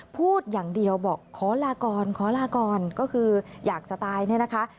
พูดอย่างเดียวบอกขอลาก่อนขอลาก่อนก็คืออยากจะตายเนี่ยนะคะ